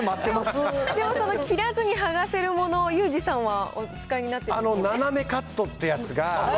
では、その切らずに剥がせるものをユージさんはお使いになっているんでななめカットってやつが。